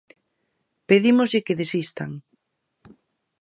Pedímoslle que desistan.